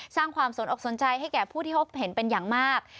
สร้างความสนอกสนใจให้แก่ผู้ที่พบเห็นเป็นอย่างมาก